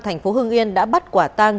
thành phố hưng yên đã bắt quả tàng